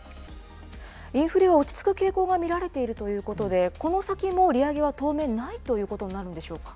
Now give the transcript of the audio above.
インフレは落ち着く傾向が見られているということで、この先も利上げは当面ないということになるんでしょうか。